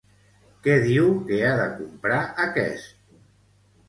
Què diu que ha de comprar aquest?